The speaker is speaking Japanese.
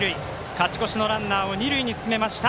勝ち越しのランナーを二塁に進めました。